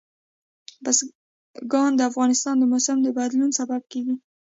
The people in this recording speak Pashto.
بزګان د افغانستان د موسم د بدلون سبب کېږي.